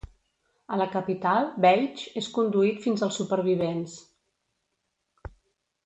A la capital, Veitch és conduït fins als supervivents.